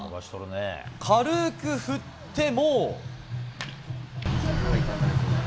軽く振っても。